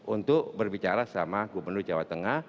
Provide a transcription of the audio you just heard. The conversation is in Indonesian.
untuk berbicara sama gubernur jawa tengah